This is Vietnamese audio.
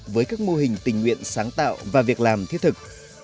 với các mô hình tình nguyện sáng tạo và việc làm thiết thực